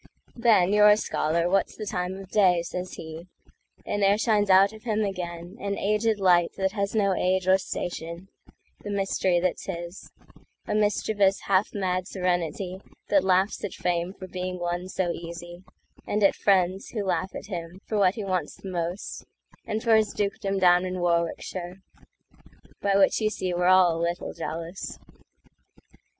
"Ben, you're a scholar, what's the time of day?"Says he; and there shines out of him againAn aged light that has no age or station—The mystery that's his—a mischievousHalf mad serenity that laughs at fameFor being won so easy, and at friendsWho laugh at him for what he wants the most, And for his dukedom down in Warwickshire;—By which you see we're all a little jealous.